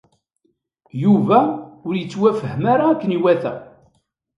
Yuba ur yettwafhem ara akken iwata.